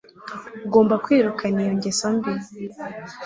ugomba kwirukana iyo ngeso mbi